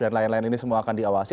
dan lain lain ini semua akan diawasi